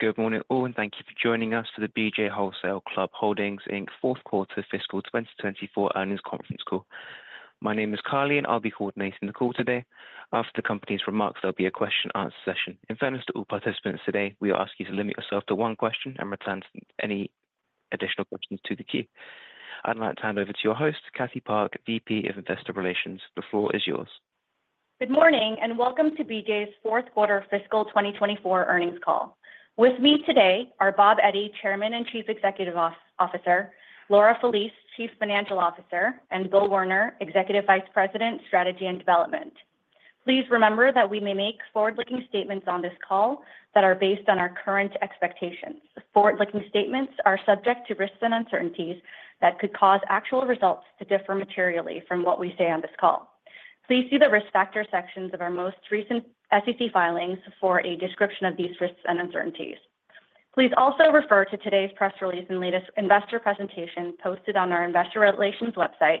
Good morning all, and thank you for joining us for the BJ's Wholesale Club Holdings, Inc. Q4 Fiscal 2024 Earnings Conference Call. My name is Carly, and I'll be coordinating the call today. After the company's remarks, there'll be a question-and-answer session. In fairness to all participants today, we'll ask you to limit yourself to one question and return to any additional questions to the queue. I'd like to hand over to your host, Cathy Park, VP of Investor Relations the floor is yours. Good morning, and welcome to BJ's Q4 Fiscal 2024 Earnings Call. With me today are Bob Eddy, Chairman and Chief Executive Officer, Laura Felice, Chief Financial Officer, and Bill Warner, Executive Vice President, Strategy and Development. Please remember that we may make forward-looking statements on this call that are based on our current expectations. Forward-looking statements are subject to risks and uncertainties that could cause actual results to differ materially from what we say on this call. Please see the risk factor sections of our most recent SEC filings for a description of these risks and uncertainties. Please also refer to today's press release and latest investor presentation posted on our Investor Relations website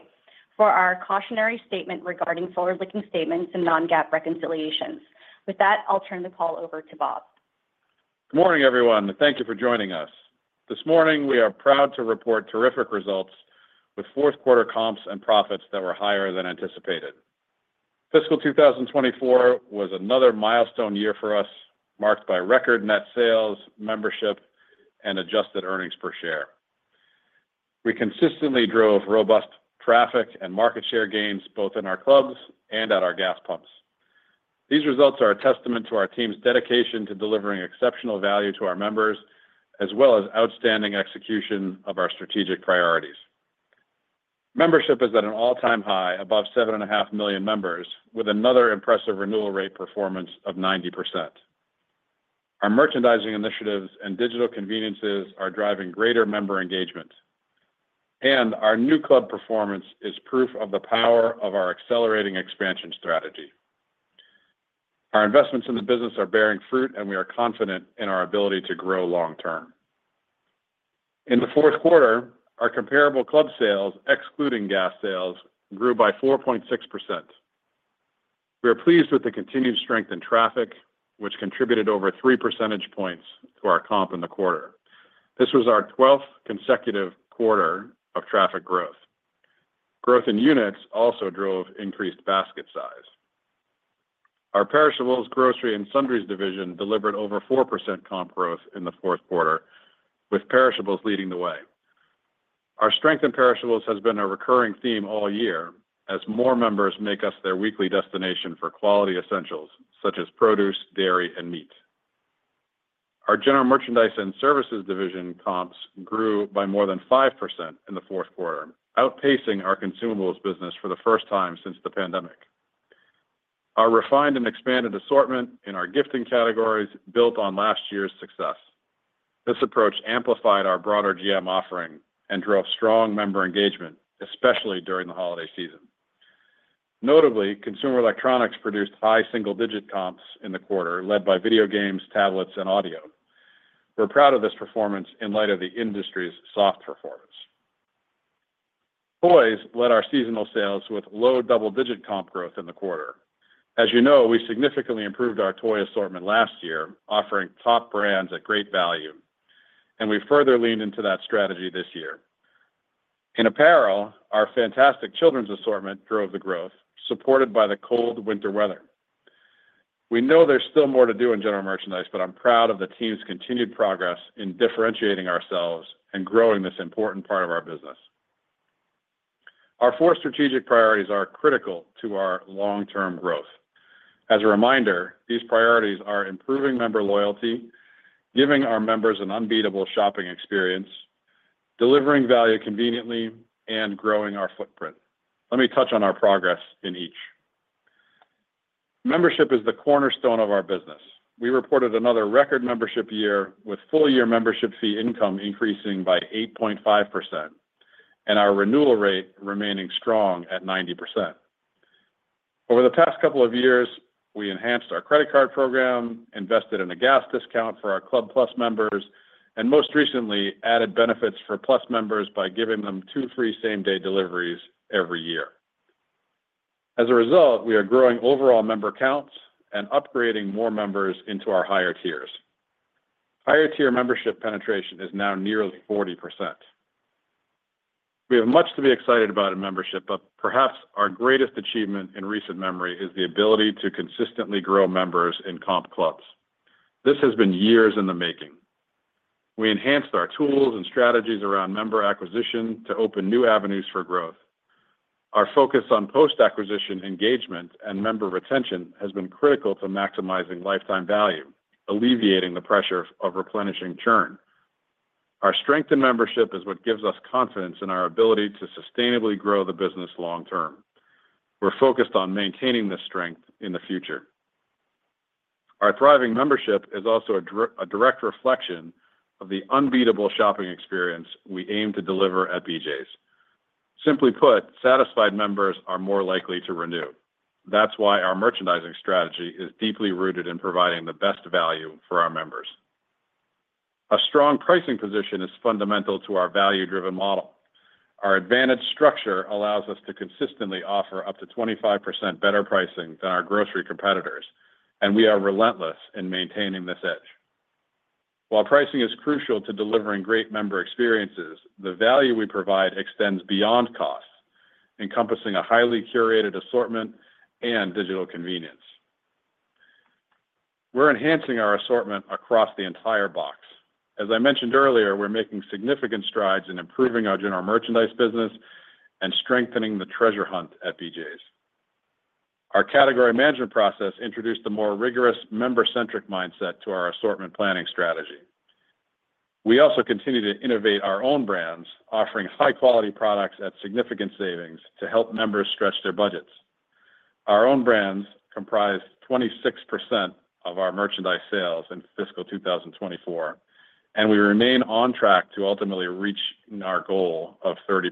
for our cautionary statement regarding forward-looking statements and non-GAAP reconciliations. With that, I'll turn the call over to Bob. Good morning, everyone, and thank you for joining us. This morning, we are proud to report terrific results with fourth-quarter comps and profits that were higher than anticipated. Fiscal 2024 was another milestone year for us, marked by record net sales, membership, and adjusted earnings per share. We consistently drove robust traffic and market share gains both in our clubs and at our gas pumps. These results are a testament to our team's dedication to delivering exceptional value to our members, as well as outstanding execution of our strategic priorities. Membership is at an all-time high, above 7.5 million members, with another impressive renewal rate performance of 90%. Our merchandising initiatives and digital conveniences are driving greater member engagement, and our new club performance is proof of the power of our accelerating expansion strategy. Our investments in the business are bearing fruit, and we are confident in our ability to grow long-term. In the Q4, our comparable club sales, excluding gas sales, grew by 4.6%. We are pleased with the continued strength in traffic, which contributed over three percentage points to our comp in the quarter. This was our 12th consecutive quarter of traffic growth. Growth in units also drove increased basket size. Our perishables, grocery, and sundries division delivered over 4% comp growth in the Q4, with perishables leading the way. Our strength in perishables has been a recurring theme all year, as more members make us their weekly destination for quality essentials such as produce, dairy, and meat. Our general merchandise and services division comps grew by more than 5% in the Q4, outpacing our consumables business for the first time since the pandemic. Our refined and expanded assortment in our gifting categories built on last year's success. This approach amplified our broader GM offering and drove strong member engagement, especially during the holiday season. Notably, consumer electronics produced high single-digit comps in the quarter, led by video games, tablets, and audio. We're proud of this performance in light of the industry's soft performance. Toys led our seasonal sales with low double-digit comp growth in the quarter. As you know, we significantly improved our toy assortment last year, offering top brands at great value, and we further leaned into that strategy this year. In apparel, our fantastic children's assortment drove the growth, supported by the cold winter weather. We know there's still more to do in general merchandise, but I'm proud of the team's continued progress in differentiating ourselves and growing this important part of our business. Our four strategic priorities are critical to our long-term growth. As a reminder, these priorities are improving member loyalty, giving our members an unbeatable shopping experience, delivering value conveniently, and growing our footprint. Let me touch on our progress in each. Membership is the cornerstone of our business. We reported another record membership year, with full-year membership fee income increasing by 8.5% and our renewal rate remaining strong at 90%. Over the past couple of years, we enhanced our credit card program, invested in a gas discount for our Club+ members, and most recently added benefits for Plus members by giving them two free same-day deliveries every year. As a result, we are growing overall member counts and upgrading more members into our higher tiers. Higher-tier membership penetration is now nearly 40%. We have much to be excited about in membership, but perhaps our greatest achievement in recent memory is the ability to consistently grow members in comp clubs. This has been years in the making. We enhanced our tools and strategies around member acquisition to open new avenues for growth. Our focus on post-acquisition engagement and member retention has been critical to maximizing lifetime value, alleviating the pressure of replenishing churn. Our strength in membership is what gives us confidence in our ability to sustainably grow the business long-term. We're focused on maintaining this strength in the future. Our thriving membership is also a direct reflection of the unbeatable shopping experience we aim to deliver at BJ's. Simply put, satisfied members are more likely to renew. That's why our merchandising strategy is deeply rooted in providing the best value for our members. A strong pricing position is fundamental to our value-driven model. Our advantage structure allows us to consistently offer up to 25% better pricing than our grocery competitors, and we are relentless in maintaining this edge. While pricing is crucial to delivering great member experiences, the value we provide extends beyond cost, encompassing a highly curated assortment and digital convenience. We're enhancing our assortment across the entire box. As I mentioned earlier, we're making significant strides in improving our general merchandise business and strengthening the treasure hunt at BJ's. Our category management process introduced a more rigorous, member-centric mindset to our assortment planning strategy. We also continue to innovate our own brands, offering high-quality products at significant savings to help members stretch their budgets. Our own brands comprised 26% of our merchandise sales in fiscal 2024, and we remain on track to ultimately reach our goal of 30%.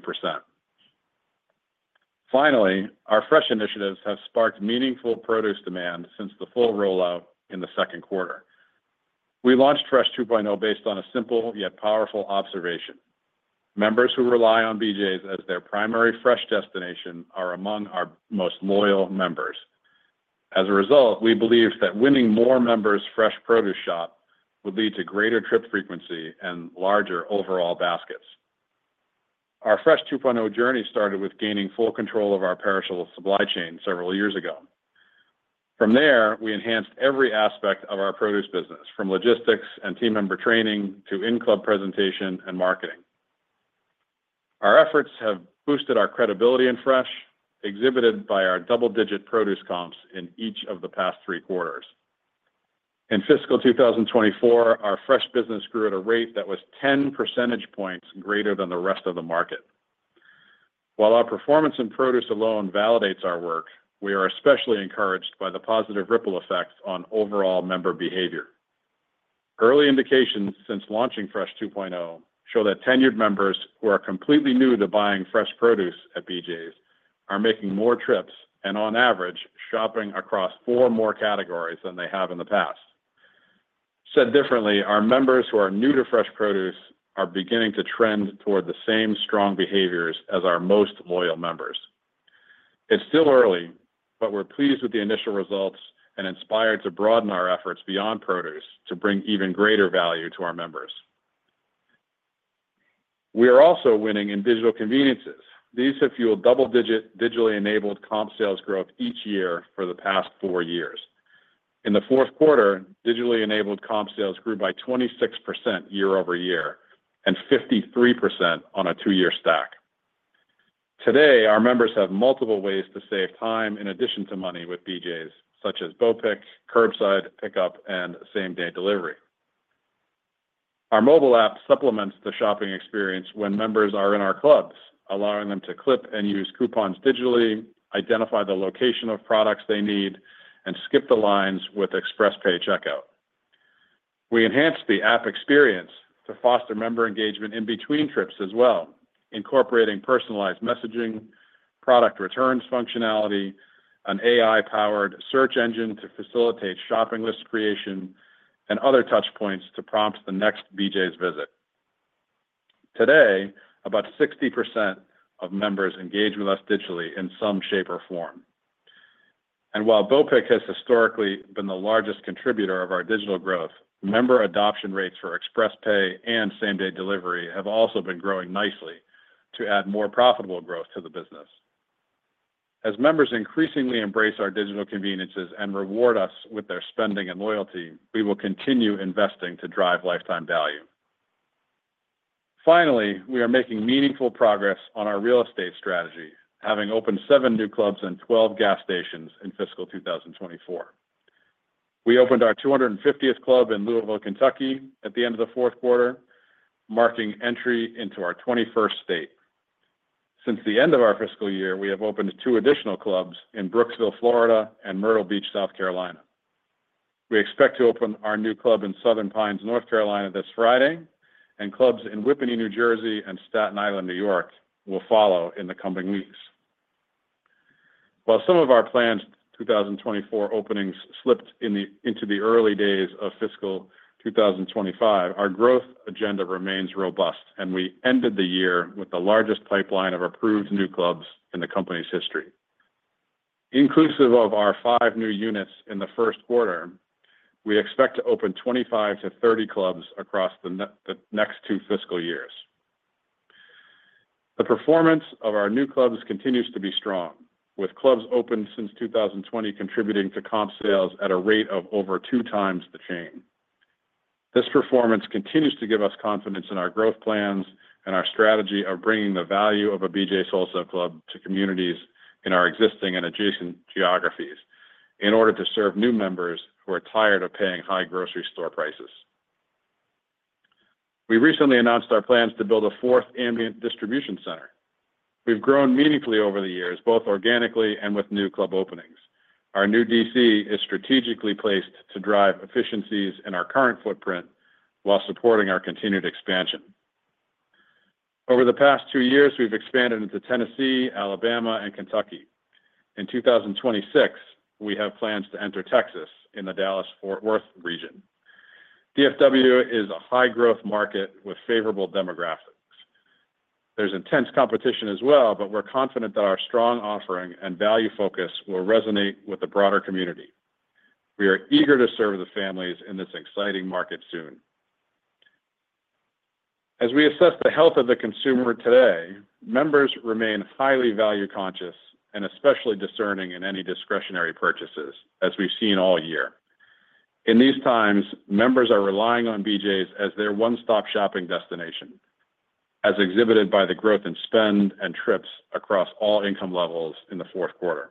Finally, our fresh initiatives have sparked meaningful produce demand since the full rollout in the Q2. We launched Fresh 2.0 based on a simple yet powerful observation: members who rely on BJ's as their primary fresh destination are among our most loyal members. As a result, we believe that winning more members' fresh produce shop would lead to greater trip frequency and larger overall baskets. Our Fresh 2.0 journey started with gaining full control of our perishable supply chain several years ago. From there, we enhanced every aspect of our produce business, from logistics and team member training to in-club presentation and marketing. Our efforts have boosted our credibility in Fresh, exhibited by our double-digit produce comps in each of the past three quarters. In fiscal 2024, our fresh business grew at a rate that was 10 percentage points greater than the rest of the market. While our performance in produce alone validates our work, we are especially encouraged by the positive ripple effects on overall member behavior. Early indications since launching Fresh 2.0 show that tenured members who are completely new to buying fresh produce at BJ's are making more trips and, on average, shopping across four more categories than they have in the past. Said differently, our members who are new to fresh produce are beginning to trend toward the same strong behaviors as our most loyal members. It's still early, but we're pleased with the initial results and inspired to broaden our efforts beyond produce to bring even greater value to our members. We are also winning in digital conveniences. These have fueled double-digit digitally enabled comp sales growth each year for the past four years. In the Q4, digitally enabled comp sales grew by 26% year over year and 53% on a two-year stack. Today, our members have multiple ways to save time in addition to money with BJ's, such as BOPIC, Curbside Pickup, and Same-Day Delivery. Our mobile app supplements the shopping experience when members are in our clubs, allowing them to clip and use coupons digitally, identify the location of products they need, and skip the lines with ExpressPay checkout. We enhanced the app experience to foster member engagement in between trips as well, incorporating personalized messaging, product returns functionality, an AI-powered search engine to facilitate shopping list creation, and other touchpoints to prompt the next BJ's visit. Today, about 60% of members engage with us digitally in some shape or form. While BOPIC has historically been the largest contributor of our digital growth, member adoption rates for ExpressPay and Same-Day Delivery have also been growing nicely to add more profitable growth to the business. As members increasingly embrace our digital conveniences and reward us with their spending and loyalty, we will continue investing to drive lifetime value. Finally, we are making meaningful progress on our real estate strategy, having opened seven new clubs and 12 gas stations in fiscal 2024. We opened our 250th club in Louisville, Kentucky, at the end of the Q4, marking entry into our 21st state. Since the end of our fiscal year, we have opened two additional clubs in Brooksville, Florida, and Myrtle Beach, South Carolina. We expect to open our new club in Southern Pines, North Carolina, this Friday, and clubs in Whippany, New Jersey, and Staten Island, New York, will follow in the coming weeks. While some of our planned 2024 openings slipped into the early days of fiscal 2025, our growth agenda remains robust, and we ended the year with the largest pipeline of approved new clubs in the company's history. Inclusive of our five new units in the Q1, we expect to open 25 to 30 clubs across the next two fiscal years. The performance of our new clubs continues to be strong, with clubs open since 2020 contributing to comp sales at a rate of over two times the chain. This performance continues to give us confidence in our growth plans and our strategy of bringing the value of a BJ's Wholesale Club to communities in our existing and adjacent geographies in order to serve new members who are tired of paying high grocery store prices. We recently announced our plans to build a fourth ambient distribution center. We've grown meaningfully over the years, both organically and with new club openings. Our new DC is strategically placed to drive efficiencies in our current footprint while supporting our continued expansion. Over the past two years, we've expanded into Tennessee, Alabama, and Kentucky. In 2026, we have plans to enter Texas in the Dallas-Fort Worth region. DFW is a high-growth market with favorable demographics. There's intense competition as well, but we're confident that our strong offering and value focus will resonate with the broader community. We are eager to serve the families in this exciting market soon. As we assess the health of the consumer today, members remain highly value-conscious and especially discerning in any discretionary purchases, as we've seen all year. In these times, members are relying on BJ's as their one-stop shopping destination, as exhibited by the growth in spend and trips across all income levels in the Q4.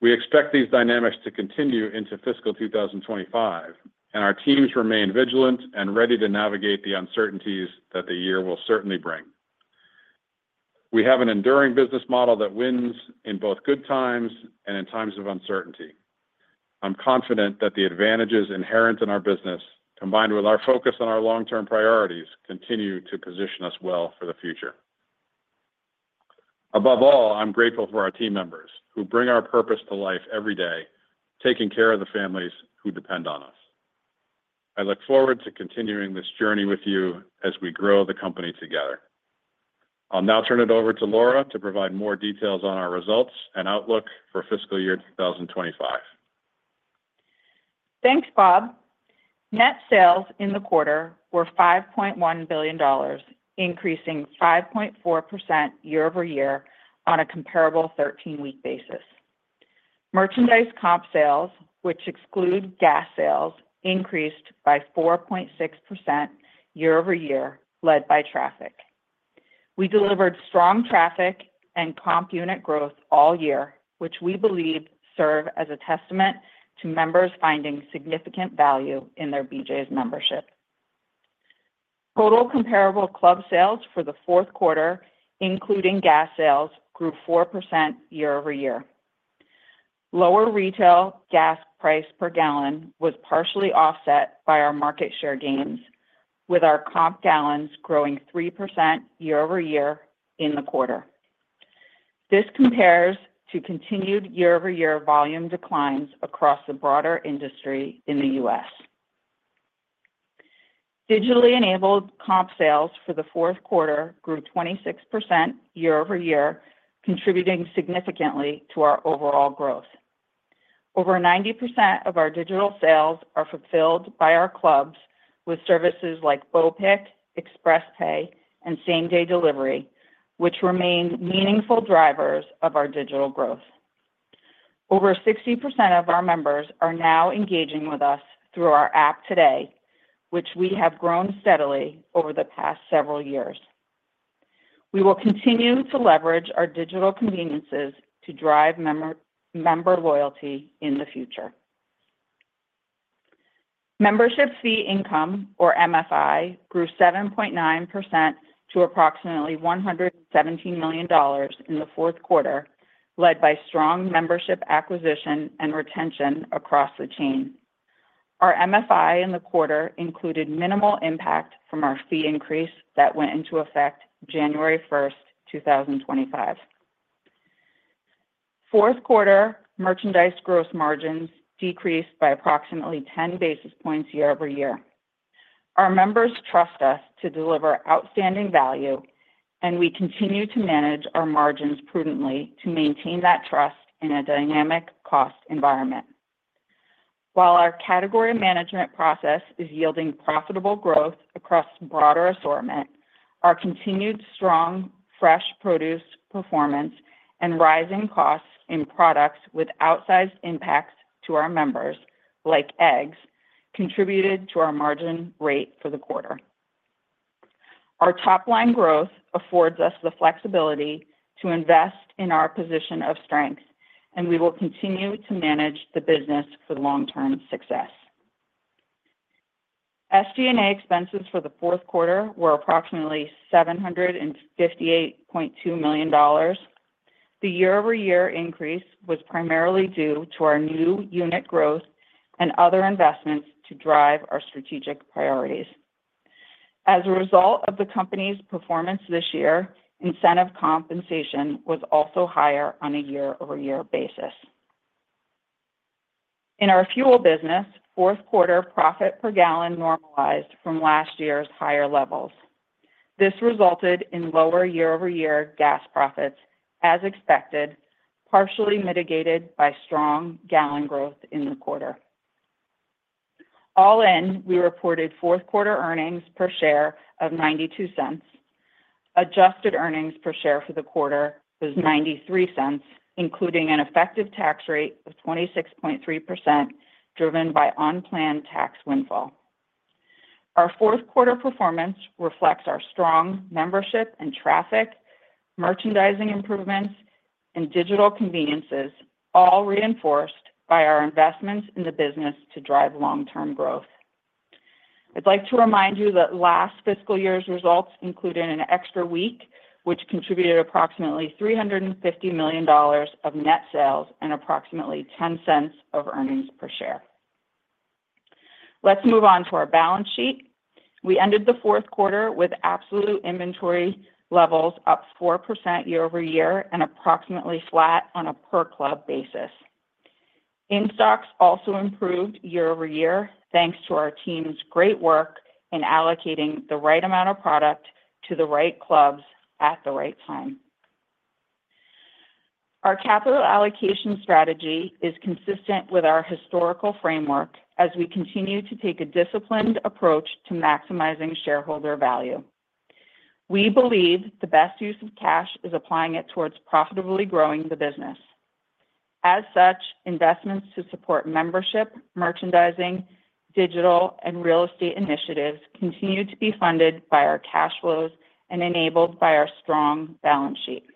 We expect these dynamics to continue into fiscal 2025, and our teams remain vigilant and ready to navigate the uncertainties that the year will certainly bring. We have an enduring business model that wins in both good times and in times of uncertainty. I'm confident that the advantages inherent in our business, combined with our focus on our long-term priorities, continue to position us well for the future. Above all, I'm grateful for our team members who bring our purpose to life every day, taking care of the families who depend on us. I look forward to continuing this journey with you as we grow the company together. I'll now turn it over to Laura to provide more details on our results and outlook for fiscal year 2025. Thanks, Bob. Net sales in the quarter were $5.1 billion, increasing 5.4% year over year on a comparable 13-week basis. Merchandise comp sales, which exclude gas sales, increased by 4.6% year over year, led by traffic. We delivered strong traffic and comp unit growth all year, which we believe serve as a testament to members finding significant value in their BJ's membership. Total comparable club sales for the Q4, including gas sales, grew 4% year over year. Lower retail gas price per gallon was partially offset by our market share gains, with our comp gallons growing 3% year over year in the quarter. This compares to continued year-over-year volume declines across the broader industry in the U.S. Digitally enabled comp sales for the Q4 grew 26% year over year, contributing significantly to our overall growth. Over 90% of our digital sales are fulfilled by our clubs, with services like BOPIC, ExpressPay, and Same-Day Delivery, which remained meaningful drivers of our digital growth. Over 60% of our members are now engaging with us through our app today, which we have grown steadily over the past several years. We will continue to leverage our digital conveniences to drive member loyalty in the future. Membership fee income, or MFI, grew 7.9% to approximately $117 million in the Q4, led by strong membership acquisition and retention across the chain. Our MFI in the quarter included minimal impact from our fee increase that went into effect January 1st, 2025. Q4 merchandise gross margins decreased by approximately 10 basis points year over year. Our members trust us to deliver outstanding value, and we continue to manage our margins prudently to maintain that trust in a dynamic cost environment. While our category management process is yielding profitable growth across broader assortment, our continued strong fresh produce performance and rising costs in products with outsized impacts to our members, like eggs, contributed to our margin rate for the quarter. Our top-line growth affords us the flexibility to invest in our position of strength, and we will continue to manage the business for long-term success. SG&A expenses for the Q4 were approximately $758.2 million. The year-over-year increase was primarily due to our new unit growth and other investments to drive our strategic priorities. As a result of the company's performance this year, incentive compensation was also higher on a year-over-year basis. In our fuel business, Q4 profit per gallon normalized from last year's higher levels. This resulted in lower year-over-year gas profits, as expected, partially mitigated by strong gallon growth in the quarter. All in, we reported Q4 earnings per share of $0.92. Adjusted earnings per share for the quarter was $0.93, including an effective tax rate of 26.3% driven by unplanned tax windfall. Our Q4 performance reflects our strong membership and traffic, merchandising improvements, and digital conveniences, all reinforced by our investments in the business to drive long-term growth. I'd like to remind you that last fiscal year's results included an extra week, which contributed approximately $350 million of net sales and approximately $0.10 of earnings per share. Let's move on to our balance sheet. We ended the Q4 with absolute inventory levels up 4% year over year and approximately flat on a per-club basis. In-stocks also improved year over year thanks to our team's great work in allocating the right amount of product to the right clubs at the right time. Our capital allocation strategy is consistent with our historical framework as we continue to take a disciplined approach to maximizing shareholder value. We believe the best use of cash is applying it towards profitably growing the business. As such, investments to support membership, merchandising, digital, and real estate initiatives continue to be funded by our cash flows and enabled by our strong balance sheet.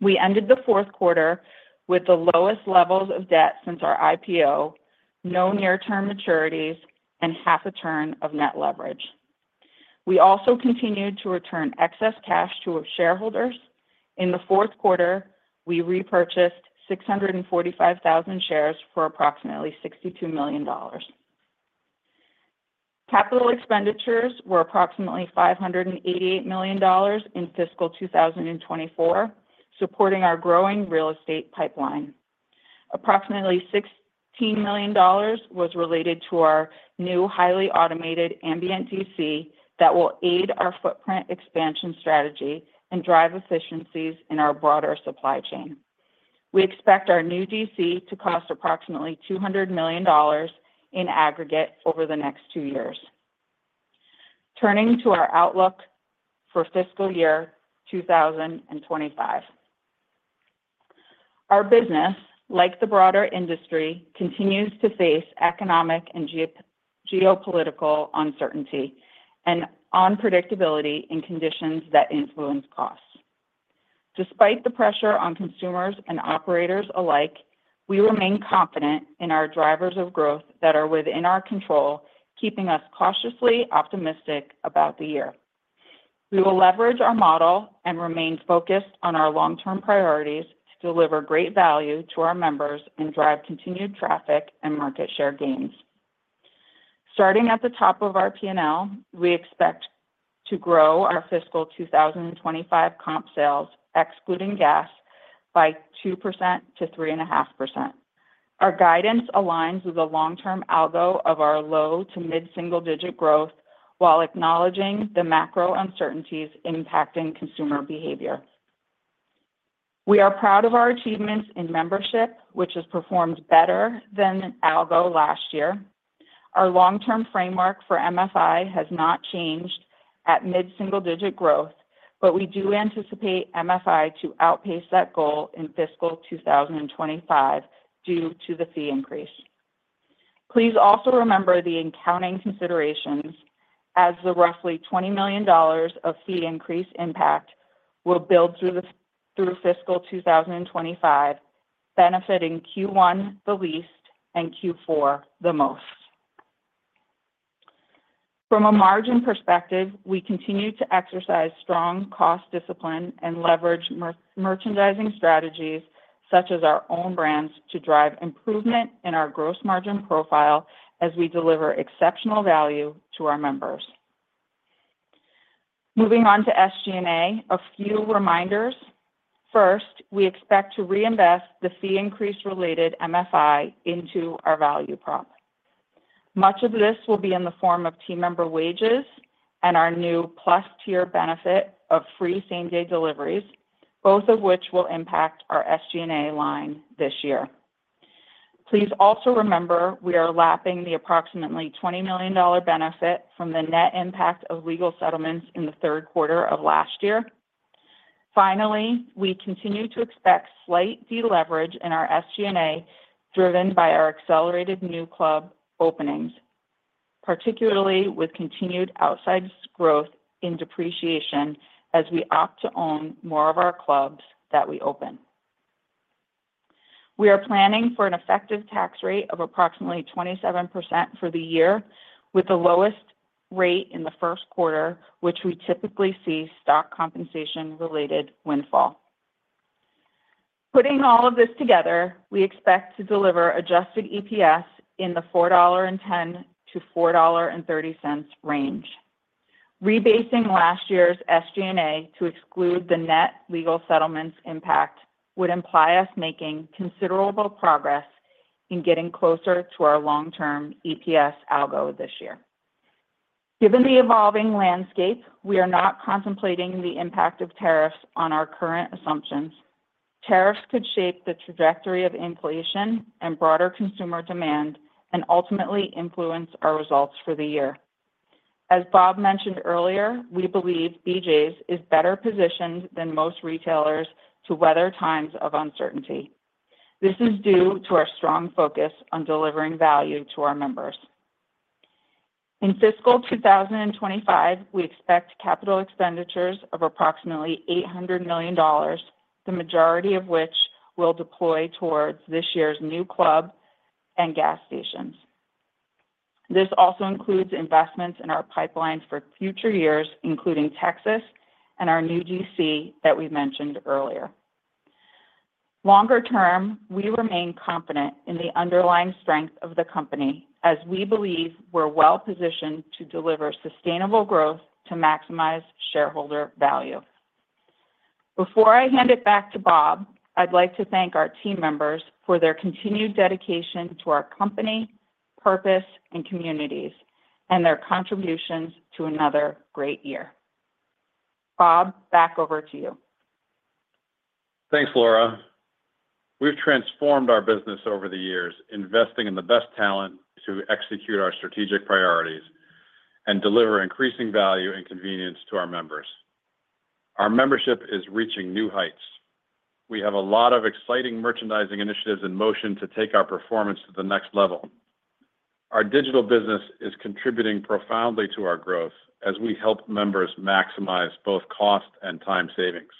We ended the Q4 with the lowest levels of debt since our IPO, no near-term maturities, and half a turn of net leverage. We also continued to return excess cash to shareholders. In the Q4, we repurchased 645,000 shares for approximately $62 million. Capital expenditures were approximately $588 million in fiscal 2024, supporting our growing real estate pipeline. Approximately $16 million was related to our new highly automated ambient DC that will aid our footprint expansion strategy and drive efficiencies in our broader supply chain. We expect our new DC to cost approximately $200 million in aggregate over the next two years. Turning to our outlook for fiscal year 2025, our business, like the broader industry, continues to face economic and geopolitical uncertainty and unpredictability in conditions that influence costs. Despite the pressure on consumers and operators alike, we remain confident in our drivers of growth that are within our control, keeping us cautiously optimistic about the year. We will leverage our model and remain focused on our long-term priorities to deliver great value to our members and drive continued traffic and market share gains. Starting at the top of our P&L, we expect to grow our fiscal 2025 comp sales, excluding gas, by 2%-3.5%. Our guidance aligns with the long-term algo of our low to mid-single-digit growth while acknowledging the macro uncertainties impacting consumer behavior. We are proud of our achievements in membership, which has performed better than algo last year. Our long-term framework for MFI has not changed at mid-single-digit growth, but we do anticipate MFI to outpace that goal in fiscal 2025 due to the fee increase. Please also remember the accounting considerations, as the roughly $20 million of fee increase impact will build through fiscal 2025, benefiting Q1 the least and Q4 the most. From a margin perspective, we continue to exercise strong cost discipline and leverage merchandising strategies such as our own brands to drive improvement in our gross margin profile as we deliver exceptional value to our members. Moving on to SG&A, a few reminders. First, we expect to reinvest the fee increase-related MFI into our value prop. Much of this will be in the form of team member wages and our new plus-tier benefit of free same-day deliveries, both of which will impact our SG&A line this year. Please also remember we are lapping the approximately $20 million benefit from the net impact of legal settlements in the Q3 of last year. Finally, we continue to expect slight deleverage in our SG&A driven by our accelerated new club openings, particularly with continued outsized growth in depreciation as we opt to own more of our clubs that we open. We are planning for an effective tax rate of approximately 27% for the year, with the lowest rate in the Q1, which we typically see stock compensation-related windfall. Putting all of this together, we expect to deliver adjusted EPS in the $4.10-$4.30 range. Rebasing last year's SG&A to exclude the net legal settlements impact would imply us making considerable progress in getting closer to our long-term EPS algo this year. Given the evolving landscape, we are not contemplating the impact of tariffs on our current assumptions. Tariffs could shape the trajectory of inflation and broader consumer demand and ultimately influence our results for the year. As Bob mentioned earlier, we believe BJ's is better positioned than most retailers to weather times of uncertainty. This is due to our strong focus on delivering value to our members. In fiscal 2025, we expect capital expenditures of approximately $800 million, the majority of which will deploy towards this year's new club and gas stations. This also includes investments in our pipelines for future years, including Texas and our new DC that we mentioned earlier. Longer term, we remain confident in the underlying strength of the company, as we believe we're well positioned to deliver sustainable growth to maximize shareholder value. Before I hand it back to Bob, I'd like to thank our team members for their continued dedication to our company, purpose, and communities, and their contributions to another great year. Bob, back over to you. Thanks, Laura. We've transformed our business over the years, investing in the best talent to execute our strategic priorities and deliver increasing value and convenience to our members. Our membership is reaching new heights. We have a lot of exciting merchandising initiatives in motion to take our performance to the next level. Our digital business is contributing profoundly to our growth as we help members maximize both cost and time savings.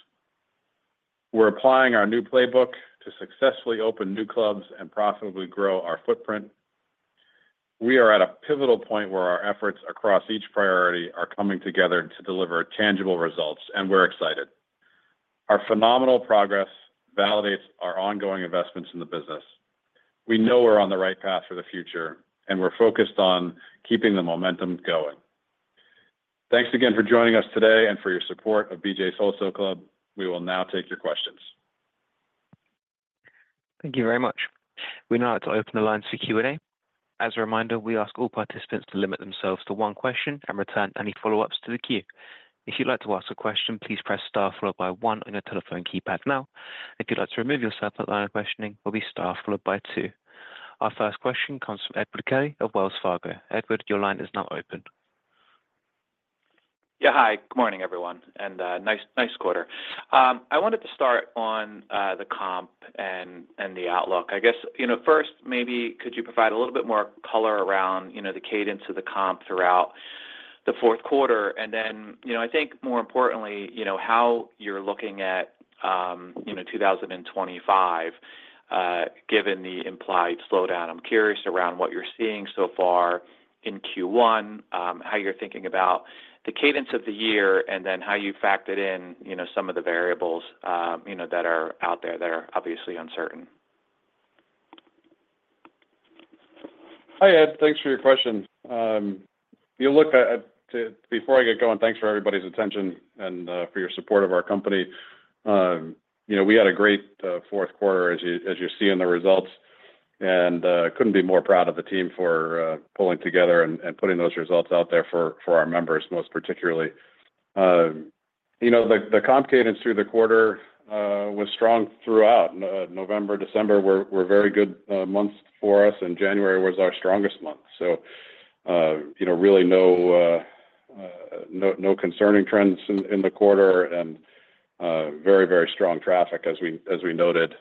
We're applying our new playbook to successfully open new clubs and profitably grow our footprint. We are at a pivotal point where our efforts across each priority are coming together to deliver tangible results, and we're excited. Our phenomenal progress validates our ongoing investments in the business. We know we're on the right path for the future, and we're focused on keeping the momentum going. Thanks again for joining us today and for your support of BJ's Wholesale Club we will now take your questions. Thank you very much. We now like to open the line for Q&A. As a reminder, we ask all participants to limit themselves to one question and return any follow-ups to the queue. If you'd like to ask a question, please press star followed by one on your telephone keypad now if you'd like to remove yourself at the line of questioning, please press star followed by two. Our first question comes from Edward Kelly of Wells Fargo. Edward, your line is now open. Yeah, hi. Good morning, everyone, and nice quarter. I wanted to start on the comp and the outlook. I guess, you know, first, maybe could you provide a little bit more color around, you know, the cadence of the comp throughout the Q4? And then, you know, I think more importantly, you know, how you're looking at, you know, 2025, Given the implied slowdown. I'm curious around what you're seeing so far in Q1, how you're thinking about the cadence of the year, and then how you factored in, you know, some of the variables, you know, that are out there that are obviously uncertain. Hi, Ed. Thanks for your question. You look at, before I get going, thanks for everybody's attention and for your support of our company. You know, we had a great Q4, as you see in the results, and couldn't be more proud of the team for pulling together and putting those results out there for our members, most particularly. You know, the comp cadence through the quarter was strong throughout November, December were very good months for us, and January was our strongest month. So, you know, really no concerning trends in the quarter and very, very strong traffic, as we noted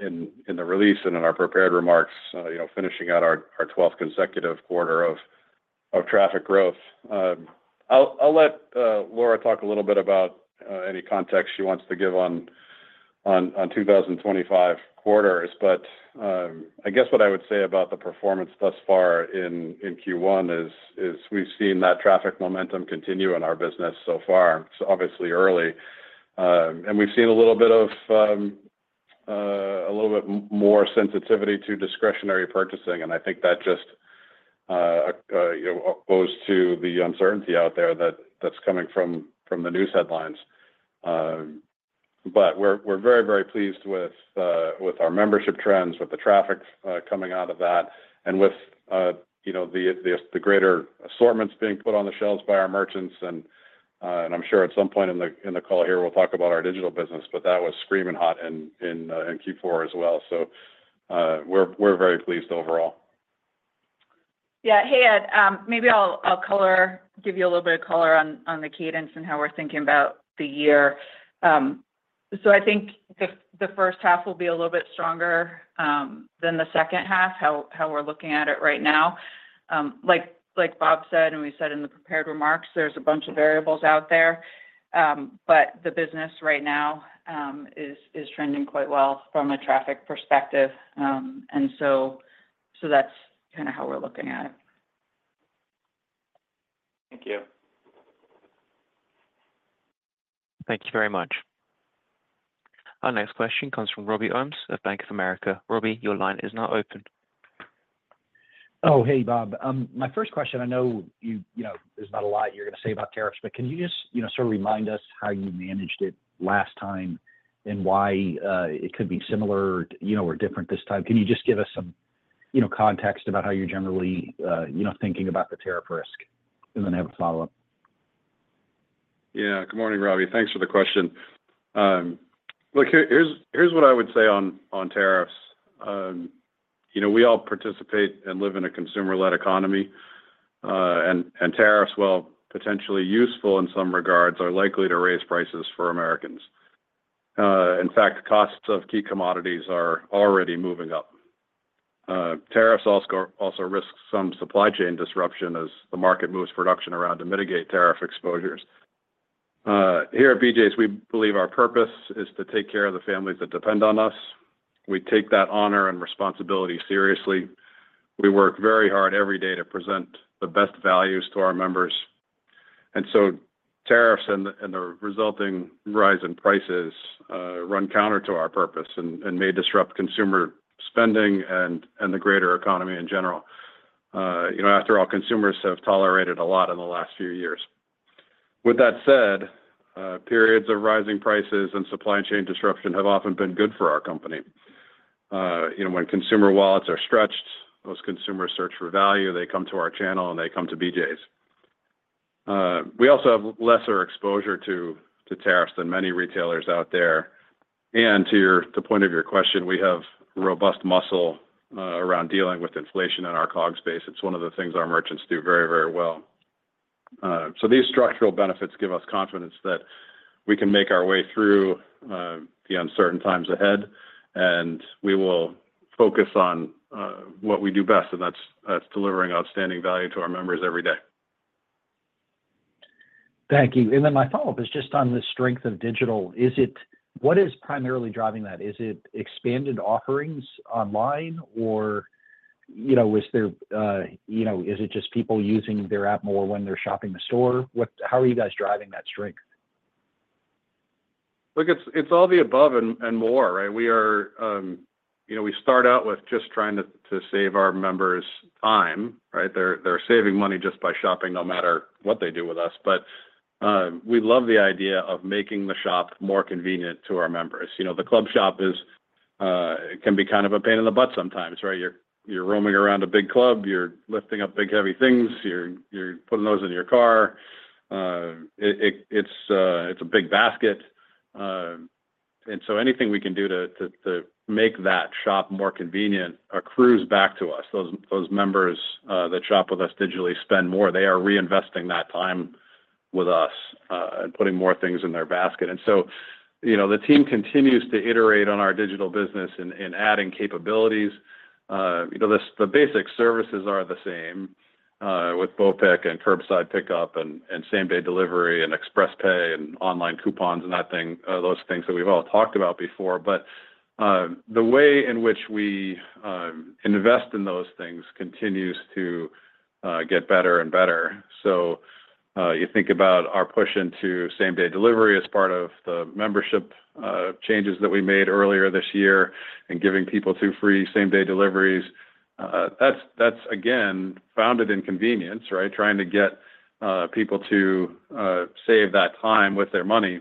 in the release and in our prepared remarks, you know, finishing out our 12th consecutive quarter of traffic growth. I'll let Laura talk a little bit about any context she wants to give on 2025 quarters, but I guess what I would say about the performance thus far in Q1 is we've seen that traffic momentum continue in our business so far. It's obviously early, and we've seen a little bit of a little bit more sensitivity to discretionary purchasing, and I think that just goes to the uncertainty out there that's coming from the news headlines. But we're very, very pleased with our membership trends, with the traffic coming out of that, and with, you know, the greater assortments being put on the shelves by our merchants and I'm sure at some point in the call here, we'll talk about our digital business, but that was screaming hot in Q4 as well so, we're very pleased overall. Yeah, hey, Ed, maybe I'll give you a little bit of color on the cadence and how we're thinking about the year. So I think the first half will be a little bit stronger than the second half, how we're looking at it right now. Like Bob said, and we said in the prepared remarks, there's a bunch of variables out there, but the business right now is trending quite well from a traffic perspective. And so that's kind of how we're looking at it. Thank you. Thank you very much. Our next question comes from Robert Ohmes of Bank of America. Robbie, your line is now open. Oh, Hey, Bob. My first question, I know there's not a lot you're going to say about tariffs, but can you just sort of remind us how you managed it last time and why it could be similar, you know, or different this time? Can you just give us some, you know, context about how you're generally, you know, thinking about the tariff risk? And then I have a follow-up. Yeah, good morning, Robbie thanks for the question. Look, here's what I would say on tariffs. You know, we all participate and live in a consumer-led economy, and tariffs, while potentially useful in some regards, are likely to raise prices for Americans. In fact, costs of key commodities are already moving up. Tariffs also risk some supply chain disruption as the market moves production around to mitigate tariff exposures. Here at BJ's, we believe our purpose is to take care of the families that depend on us. We take that honor and responsibility seriously. We work very hard every day to present the best values to our members. And so tariffs and the resulting rise in prices run counter to our purpose and may disrupt consumer spending and the greater economy in general. You know, after all, consumers have tolerated a lot in the last few years. With that said, periods of rising prices and supply chain disruption have often been good for our company. You know, when consumer wallets are stretched, most consumers search for value, they come to our channel, and they come to BJ's. We also have lesser exposure to tariffs than many retailers out there. And to your point of your question, we have robust muscle around dealing with inflation in our COGS space. It's one of the things our merchants do very, very well. So these structural benefits give us confidence that we can make our way through the uncertain times ahead, and we will focus on what we do best, and that's delivering outstanding value to our members every day. Thank you. And then my follow-up is just on the strength of digital. Is it, what is primarily driving that? Is it expanded offerings online, or, you know, is there, you know, is it just people using their app more when they're shopping the store? How are you guys driving that strength? Look, it's all the above and more, right? We are, you know, we start out with just trying to save our members time, right? They're saving money just by shopping no matter what they do with us we love the idea of making the shop more convenient to our members you know, the club shop can be kind of a pain in the butt sometimes, right? You're roaming around a big club, you're lifting up big heavy things, you're putting those in your car. It's a big basket. And so anything we can do to make that shop more convenient accrues back to us those members that shop with us digitally spend more they are reinvesting that time with us and putting more things in their basket. And so, you know, the team continues to iterate on our digital business and adding capabilities. You know, the basic services are the same with BOPIC and Curbside Pickup and Same-Day Delivery and ExpressPay and online coupons and those things that we've all talked about before. But the way in which we invest in those things continues to get better and better. So you think about our push into Same-Day Delivery as part of the membership changes that we made earlier this year and giving people two free same-day deliveries. That's, again, founded in convenience, right? Trying to get people to save that time with their money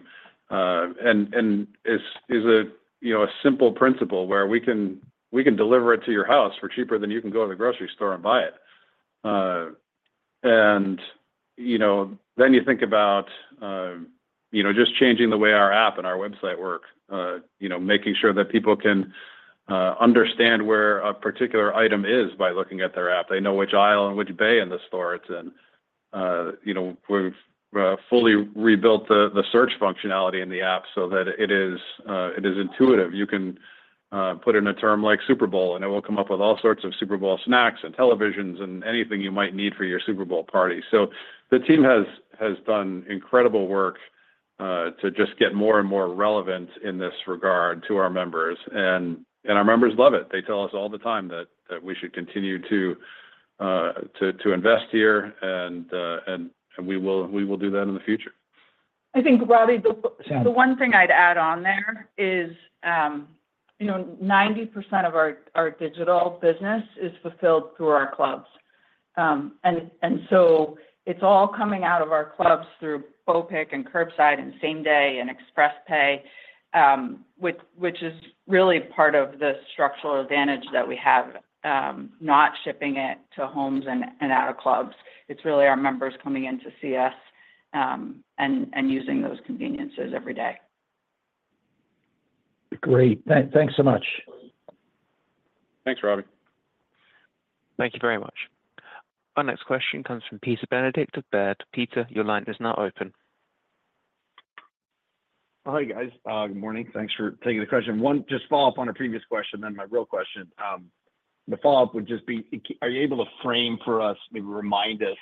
and is a, you know, a simple principle where we can deliver it to your house for cheaper than you can go to the grocery store and buy it. And, you know, then you think about, you know, just changing the way our app and our website work, you know, making sure that people can understand where a particular item is by looking at their app they know which aisle and which bay in the store it's in. You know, we've fully rebuilt the search functionality in the app so that it is intuitive you can put in a term like Super Bowl, and it will come up with all sorts of Super Bowl snacks and televisions and anything you might need for your Super Bowl party. So the team has done incredible work to just get more and more relevant in this regard to our members. And our members love it. They tell us all the time that we should continue to invest here, and we will do that in the future. I think, Robbie, the one thing I'd add on there is, you know, 90% of our digital business is fulfilled through our clubs. And so it's all coming out of our clubs through BOPIC and curbside and same-day and ExpressPay, which is really part of the structural advantage that we have, not shipping it to homes and out of clubs. It's really our members coming in to see us and using those conveniences every day. Great. Thanks so much. Thanks, Robbie. Thank you very much. Our next question comes from Peter Benedict of Baird. To Peter. Your line is now open. Hi, guys good morning thanks for taking the question one, just follow-up on a previous question, then my real question. The follow-up would just be, are you able to frame for us, maybe remind us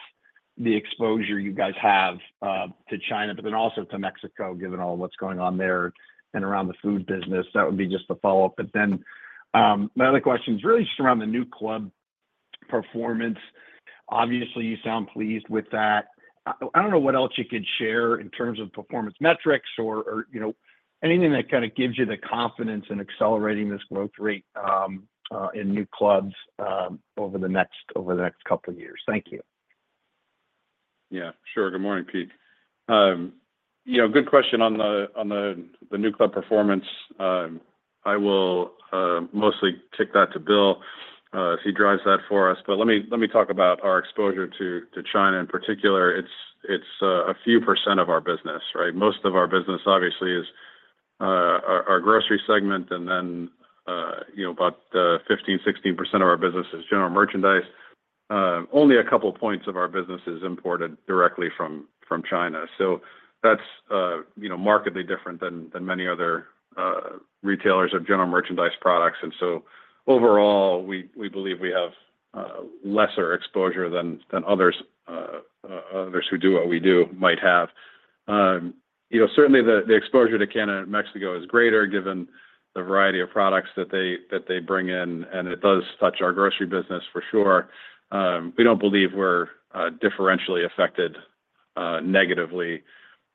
the exposure you guys have to China, but then also to Mexico, given all what's going on there and around the food business? That would be just the follow-up. But then. my other question is really just around the new club performance. Obviously, you sound pleased with that. I don't know what else you could share in terms of performance metrics or, you know, anything that kind of gives you the confidence in accelerating this growth rate in new clubs over the next couple of years. Thank you. Yeah, sure. Good morning, Pete. You know, good question on the new club performance. I will mostly take that to Bill as he drives that for us. But let me talk about our exposure to China in particular. It's a few % of our business, right? Most of our business, obviously, is our grocery segment, and then, you know, about 15%, 16% of our business is general merchandise. Only a couple of points of our business is imported directly from China. So that's, you know, markedly different than many other retailers of general merchandise products. And so. Overall, we believe we have lesser exposure than others who do what we do might have. You know, certainly the exposure to Canada and Mexico is greater given the variety of products that they bring in, and it does touch our grocery business for sure. We don't believe we're differentially affected negatively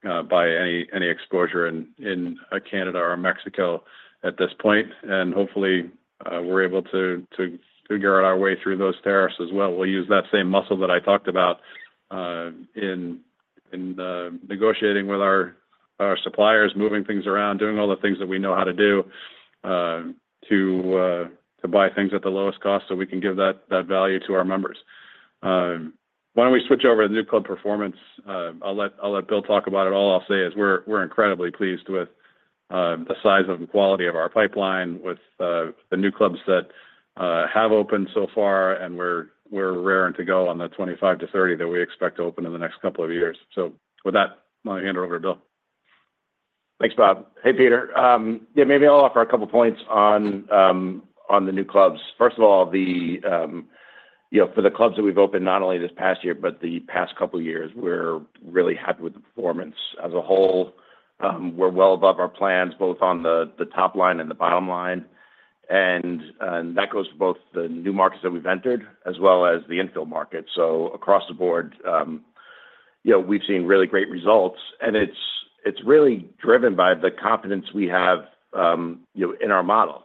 by any exposure in Canada or Mexico at this point. And hopefully, we're able to get our way through those tariffs as well. We'll use that same muscle that I talked about in negotiating with our suppliers, moving things around, doing all the things that we know how to do to buy things at the lowest cost so we can give that value to our members. Why don't we switch over to the new club performance? I'll let Bill talk about it all. All I'll say is we're incredibly pleased with the size and quality of our pipeline with the new clubs that have opened so far, and we're raring to go on the 25-30 that we expect to open in the next couple of years. So with that, I'll hand it over to Bill. Thanks, Bob. Hey, Peter. Yeah, maybe I'll offer a couple of points on the new clubs. First of all, you know, for the clubs that we've opened not only this past year, but the past couple of years, we're really happy with the performance as a whole. We're well above our plans, both on the top line and the bottom line. And that goes for both the new markets that we've entered as well as the infill market. So across the board, you know, we've seen really great results. It's really driven by the confidence we have, you know, in our model.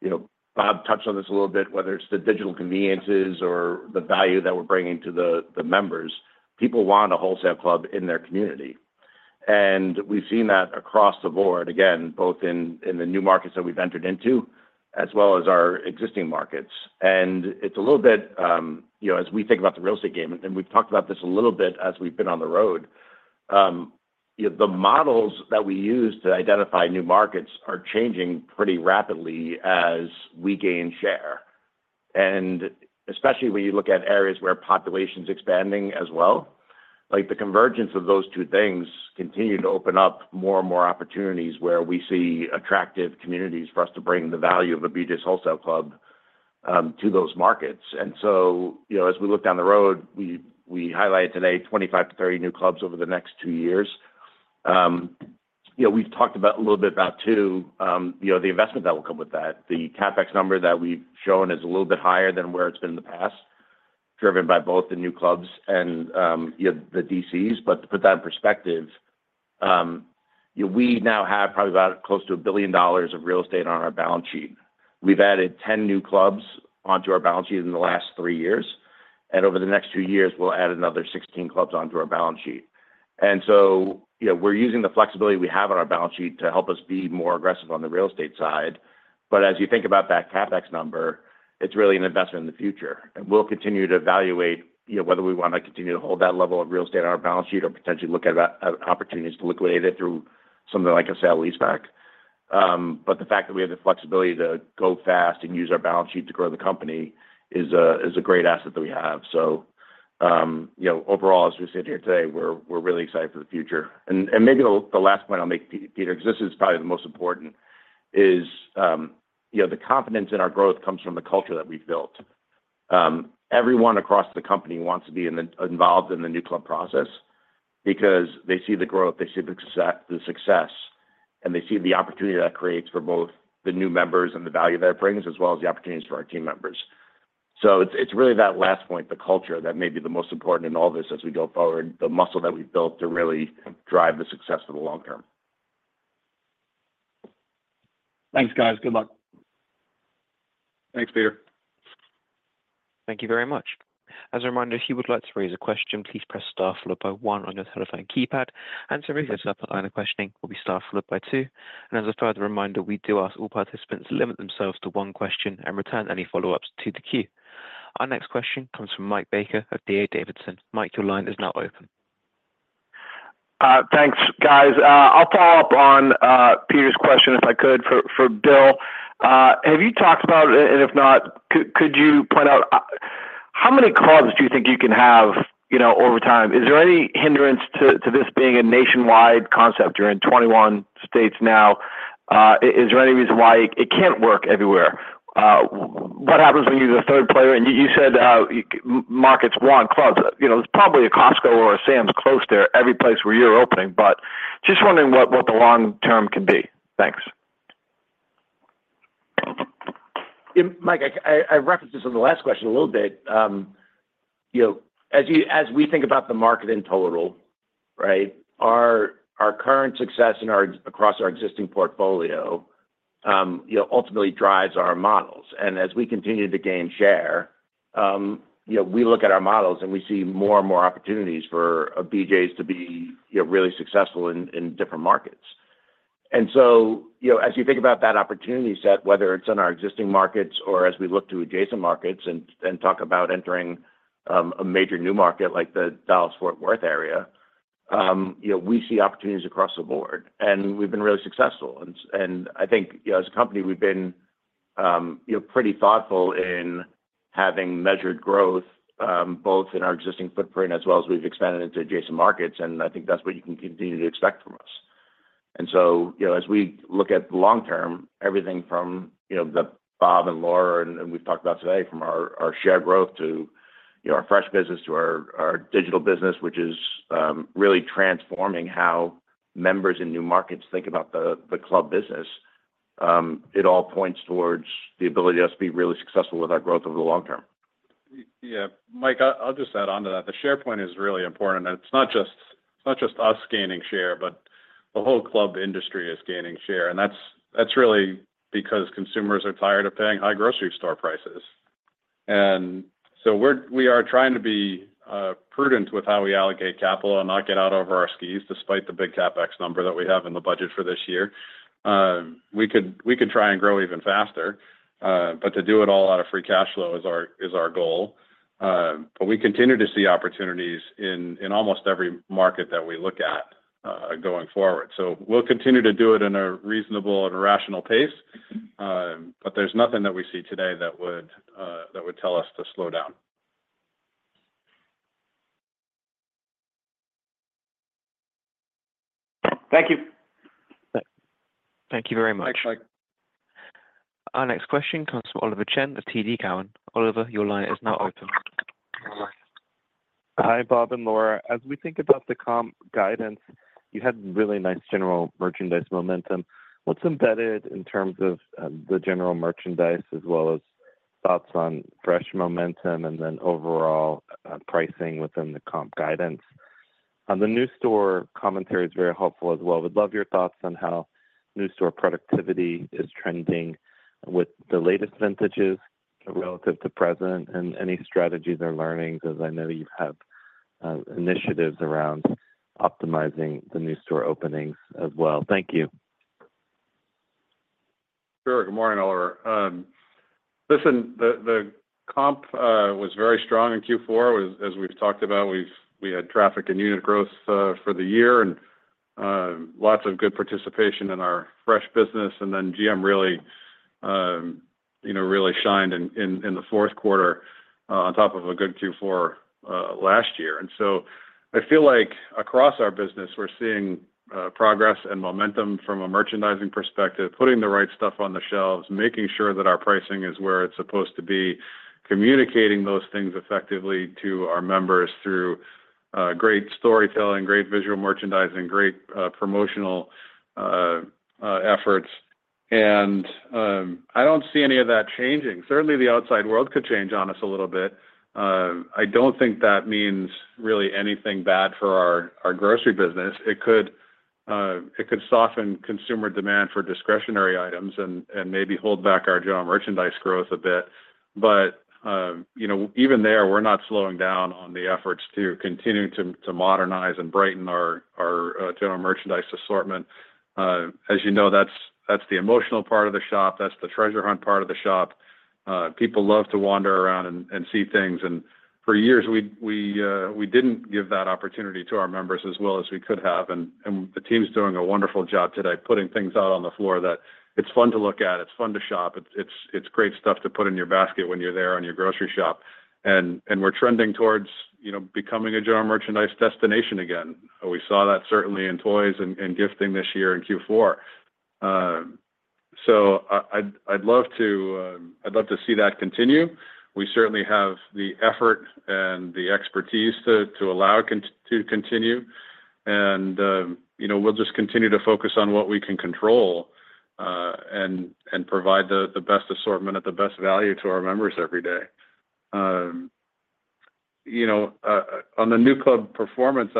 You know, Bob touched on this a little bit, whether it's the digital conveniences or the value that we're bringing to the members. People want a wholesale club in their community. We've seen that across the board, again, both in the new markets that we've entered into as well as our existing markets. It's a little bit, you know, as we think about the real estate game, and we've talked about this a little bit as we've been on the road, you know, the models that we use to identify new markets are changing pretty rapidly as we gain share. Especially when you look at areas where population's expanding as well, like the convergence of those two things continue to open up more and more opportunities where we see attractive communities for us to bring the value of a BJ's Wholesale Club to those markets. So, you know, as we look down the road, we highlighted today 25 to 30 new clubs over the next two years. You know, we've talked about a little bit about too, you know, the investment that will come with that. The CapEx number that we've shown is a little bit higher than where it's been in the past, driven by both the new clubs and, you know, the DCs. But to put that in perspective, you know, we now have probably about close to $1 billion of real estate on our balance sheet. We've added 10 new clubs onto our balance sheet in the last three years, and over the next two years, we'll add another 16 clubs onto our balance sheet, and so, you know, we're using the flexibility we have on our balance sheet to help us be more aggressive on the real estate side, but as you think about that CapEx number, it's really an investment in the future, and we'll continue to evaluate, you know, whether we want to continue to hold that level of real estate on our balance sheet or potentially look at opportunities to liquidate it through something like a sale-leaseback. But the fact that we have the flexibility to go fast and use our balance sheet to grow the company is a great asset that we have, so, you know, overall, as we sit here today, we're really excited for the future maybe the last point I'll make, Peter, because this is probably the most important, is, you know, the confidence in our growth comes from the culture that we've built. Everyone across the company wants to be involved in the new club process because they see the growth, they see the success, and they see the opportunity that creates for both the new members and the value that it brings, as well as the opportunities for our team members. So it's really that last point, the culture that may be the most important in all this as we go forward, the muscle that we've built to really drive the success for the long term. Thanks, guys. Good luck. Thanks, Peter. Thank you very much. As a reminder, if you would like to raise a question, please press star followed by one on your telephone keypad. a question, press star then one. To withdraw your question, press star then two. And as a further reminder, we do ask all participants to limit themselves to one question and return any follow-ups to the queue. Our next question comes from Mike Baker of D.A. Davidson. Mike, your line is now open. Thanks, guys. I'll follow up on Peter's question, if I could, for Bill. Have you talked about, and if not, could you point out how many clubs do you think you can have, you know, over time? Is there any hindrance to this being a nationwide concept? You're in 21 states now. Is there any reason why it can't work everywhere? What happens when you're the third player? And you said markets want clubs. You know, there's probably a Costco or a Sam's close to every place where you're opening, but just wondering what the long term can be. Thanks. Mike, I referenced this on the last question a little bit. You know, as we think about the market in total, right, our current success across our existing portfolio, you know, ultimately drives our models. And as we continue to gain share, you know, we look at our models and we see more and more opportunities for BJ's to be, you know, really successful in different markets. And so, you know, as you think about that opportunity set, whether it's in our existing markets or as we look to adjacent markets and talk about entering a major new market like the Dallas-Fort Worth area, you know, we see opportunities across the board and we've been really successful. I think, you know, as a company, we've been, you know, pretty thoughtful in having measured growth both in our existing footprint as well as we've expanded into adjacent markets. I think that's what you can continue to expect from us. So, you know, as we look at the long term, everything from, you know, the Bob and Laura and we've talked about today from our share growth to, you know, our fresh business to our digital business, which is really transforming how members in new markets think about the club business, it all points towards the ability to us to be really successful with our growth over the long term. Yeah. Mike, I'll just add on to that. The share point is really important. It's not just us gaining share, but the whole club industry is gaining share and that's really because consumers are tired of paying high grocery store prices. And so we are trying to be prudent with how we allocate capital and not get out over our skis despite the big CapEx number that we have in the budget for this year. We can try and grow even faster, but to do it all out of free cash flow is our goal. But we continue to see opportunities in almost every market that we look at going forward. So we'll continue to do it in a reasonable and rational pace. But there's nothing that we see today that would tell us to slow down. Thank you. Thank you very much. Our next question comes from Oliver Chen of TD Cowen. Oliver, your line is now open. Hi, Bob and Laura as we think about the comp guidance, you had really nice general merchandise momentum. What's embedded in terms of the general merchandise as well as thoughts on fresh momentum and then overall pricing within the comp guidance? The new store commentary is very helpful as well we'd love your thoughts on how new store productivity is trending with the latest vintages relative to present and any strategies or learnings, as I know you have initiatives around optimizing the new store openings as well thank you. Sure. Good morning, Oliver. Listen, the comp was very strong in Q4, as we've talked about. We had traffic and unit growth for the year and lots of good participation in our fresh business and then GM really, you know, really shined in the Q4 on top of a good Q4 last year. And so I feel like across our business, we're seeing progress and momentum from a merchandising perspective, putting the right stuff on the shelves, making sure that our pricing is where it's supposed to be, communicating those things effectively to our members through great storytelling, great visual merchandising, great promotional efforts. And I don't see any of that changing. Certainly, the outside world could change on us a little bit. I don't think that means really anything bad for our grocery business it could soften consumer demand for discretionary items and maybe hold back our general merchandise growth a bit. But, you know, even there, we're not slowing down on the efforts to continue to modernize and brighten our general merchandise assortment. As you know, that's the emotional part of the shop. That's the treasure hunt part of the shop. People love to wander around and see things. And for years, we didn't give that opportunity to our members as well as we could have. And the team's doing a wonderful job today putting things out on the floor that it's fun to look at, it's fun to shop, it's great stuff to put in your basket when you're there on your grocery shop. And we're trending towards, you know, becoming a general merchandise destination again. We saw that certainly in toys and gifting this year in Q4. So I'd love to see that continue. We certainly have the effort and the expertise to allow it to continue. And, you know, we'll just continue to focus on what we can control and provide the best assortment at the best value to our members every day. You know, on the new club performance,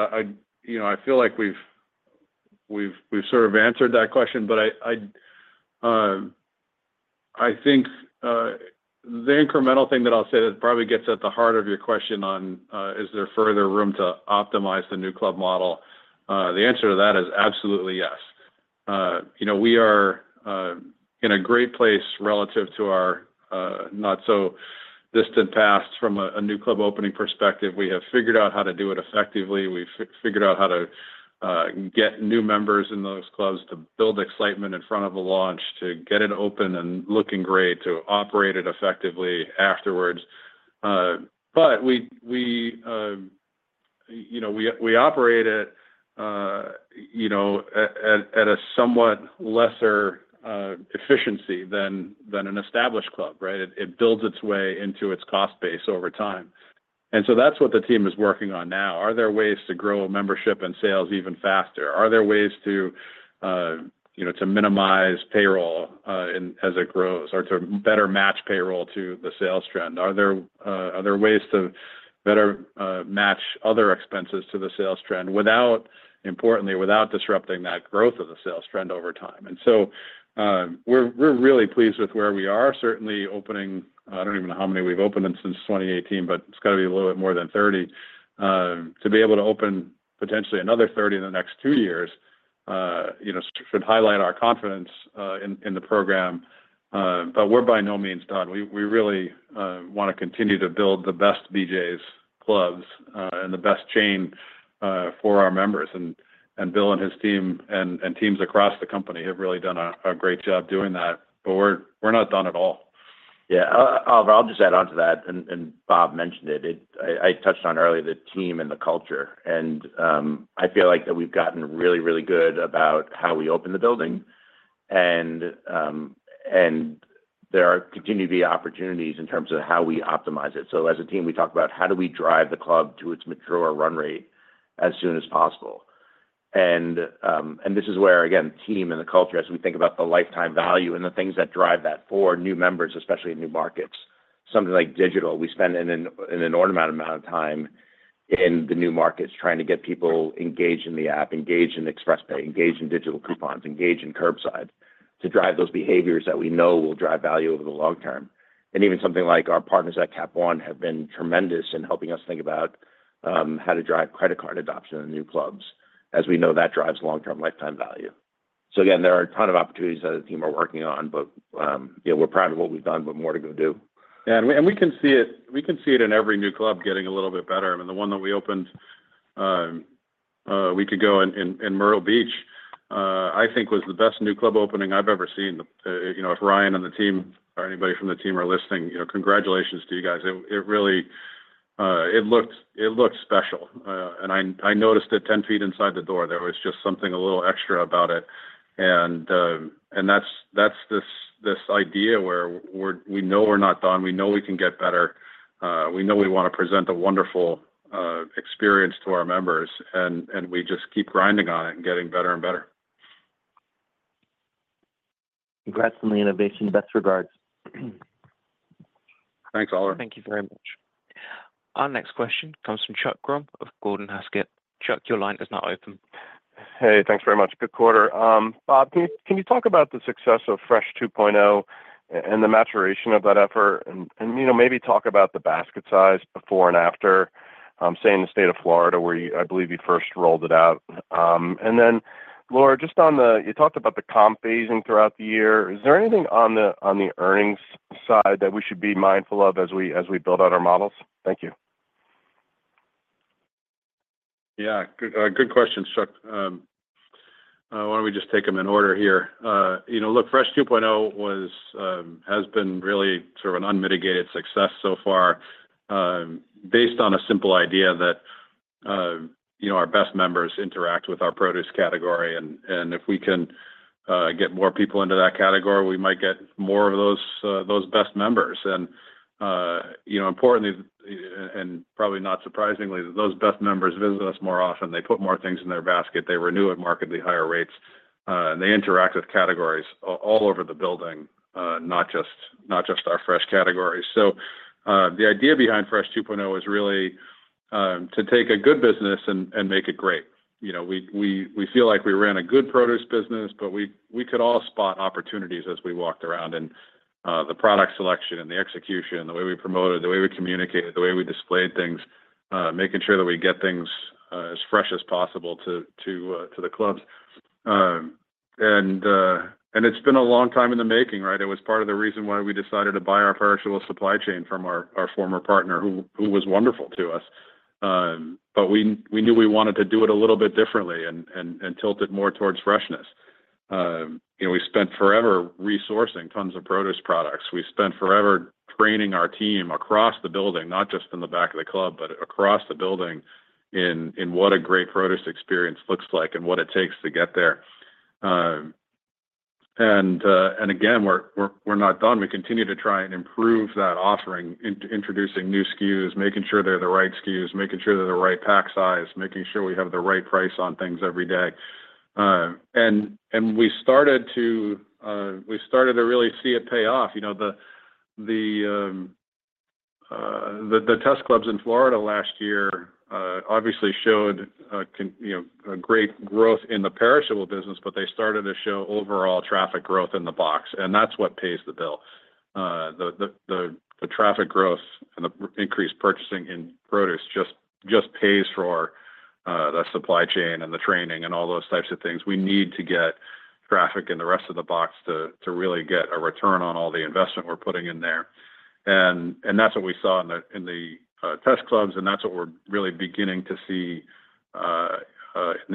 you know, I feel like we've sort of answered that question, but I think the incremental thing that I'll say that probably gets at the heart of your question on, is there further room to optimize the new club model? The answer to that is absolutely yes. You know, we are in a great place relative to our not-so-distant past from a new club opening perspective. We have figured out how to do it effectively we've figured out how to get new members in those clubs to build excitement in front of a launch, to get it open and looking great, to operate it effectively afterwards. But we, you know, we operate it, you know, at a somewhat lesser efficiency than an established club, right? It builds its way into its cost base over time. And so that's what the team is working on now are there ways to grow a membership and sales even faster? Are there ways to, you know, to minimize payroll as it grows or to better match payroll to the sales trend? Are there ways to better match other expenses to the sales trend without, importantly, without disrupting that growth of the sales trend over time? And so we're really pleased with where we are. Certainly opening, I don't even know how many we've opened since 2018, but it's got to be a little bit more than 30. To be able to open potentially another 30 in the next two years, you know, should highlight our confidence in the program. But we're by no means done we really want to continue to build the best BJ's clubs and the best chain for our members. And Bill and his team and teams across the company have really done a great job doing that. But we're not done at all. Yeah, Oliver, I'll just add on to that. And Bob mentioned it i touched on earlier the team and the culture. And I feel like that we've gotten really, really good about how we open the building. And there continue to be opportunities in terms of how we optimize it. So as a team, we talk about how do we drive the club to its mature run rate as soon as possible. This is where, again, team and the culture, as we think about the lifetime value and the things that drive that for new members, especially in new markets, something like digital we spend an inordinate amount of time in the new markets trying to get people engaged in the app, engaged in ExpressPay, engaged in digital coupons, engaged in curbside to drive those behaviors that we know will drive value over the long term. Even something like our partners at Cap One have been tremendous in helping us think about how to drive credit card adoption in new clubs, as we know that drives long-term lifetime value. Again, there are a ton of opportunities that the team are working on, but you know, we're proud of what we've done, but more to go do. Yeah, and we can see it in every new club getting a little bit better i mean, the one that we opened a week ago in Myrtle Beach, I think was the best new club opening I've ever seen you know, if Ryan and the team or anybody from the team are listening, you know, congratulations to you guys. It really, it looked special. And I noticed it 10 feet inside the door. There was just something a little extra about it. And that's this idea where we know we're not done. We know we can get better. We know we want to present a wonderful experience to our members. And we just keep grinding on it and getting better and better. Congrats on the innovation. Best regards. Thanks, Oliver. Thank you very much. Our next question comes from Chuck Grom of Gordon Haskett. Chuck, your line is now open. Hey, thanks very much good quarter. Bob, can you talk about the success of Fresh 2.0 and the maturation of that effort? And you know, maybe talk about the basket size before and after, say in the state of Florida where I believe you first rolled it out. And then, Laura, just on the, you talked about the comp phasing throughout the year. Is there anything on the earnings side that we should be mindful of as we build out our models? Thank you. Yeah, good question, Chuck. Why don't we just take them in order here? You know, look, Fresh 2.0 has been really sort of an unmitigated success so far based on a simple idea that, you know, our best members interact with our produce category and if we can get more people into that category, we might get more of those best members. You know, importantly, and probably not surprisingly, those best members visit us more often. They put more things in their basket they renew at markedly higher rates. And they interact with categories all over the building, not just our fresh categories. So the idea behind Fresh 2.0 is really to take a good business and make it great. You know, we feel like we ran a good produce business, but we could all spot opportunities as we walked around in the product selection and the execution, the way we promoted it, the way we communicated, the way we displayed things, making sure that we get things as fresh as possible to the clubs. And it's been a long time in the making, right? It was part of the reason why we decided to buy our perishables supply chain from our former partner who was wonderful to us. But we knew we wanted to do it a little bit differently and tilt it more towards freshness. You know, we spent forever resourcing tons of produce products. We spent forever training our team across the building, not just in the back of the club, but across the building in what a great produce experience looks like and what it takes to get there. And again, we're not done. We continue to try and improve that offering, introducing new SKUs, making sure they're the right SKUs, making sure they're the right pack size, making sure we have the right price on things every day. And we started to really see it pay off you know, the test clubs in Florida last year obviously showed, you know, great growth in the perishable business, but they started to show overall traffic growth in the box. And that's what pays the bill. The traffic growth and the increased purchasing in produce just pays for the supply chain and the training and all those types of things we need to get traffic in the rest of the box to really get a return on all the investment we're putting in there. And that's what we saw in the test clubs and that's what we're really beginning to see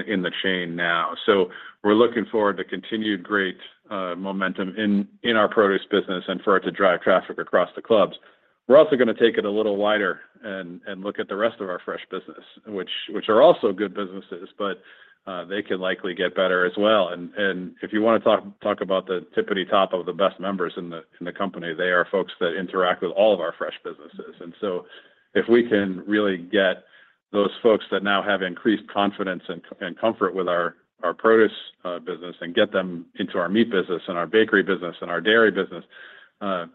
in the chain now. So we're looking forward to continued great momentum in our produce business and for it to drive traffic across the clubs. We're also going to take it a little wider and look at the rest of our fresh business, which are also good businesses, but they can likely get better as well and if you want to talk about the tippity-top of the best members in the company, they are folks that interact with all of our fresh businesses and so, if we can really get those folks that now have increased confidence and comfort with our produce business and get them into our meat business and our bakery business and our dairy business,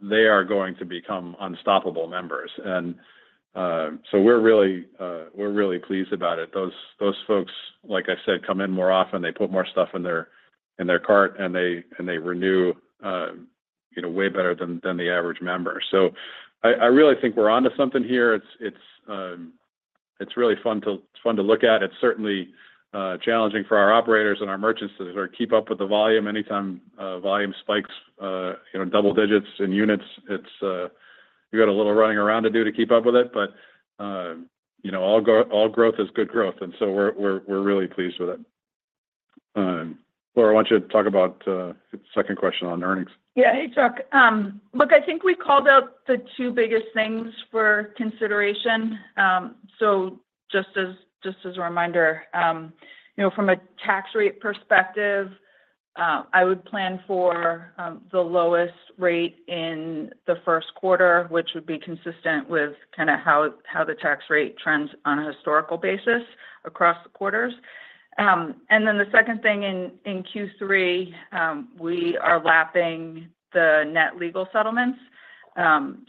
they are going to become unstoppable members. And so we're really pleased about it those folks, like I said, come in more often they put more stuff in their cart and they renew, you know, way better than the average member. So I really think we're on to something here. It's really fun to look at. It's certainly challenging for our operators and our merchants to sort of keep up with the volume. Anytime volume spikes, you know, double digits in units, it's you got a little running around to do to keep up with it. But, you know, all growth is good growth and so we're really pleased with it. Laura, I want you to talk about the second question on earnings. Yeah, hey, Chuck. Look, I think we called out the two biggest things for consideration. So just as a reminder, you know, from a tax rate perspective, I would plan for the lowest rate in the Q1, which would be consistent with kind of how the tax rate trends on a historical basis across the quarters. And then the second thing in Q3, we are lapping the net legal settlements.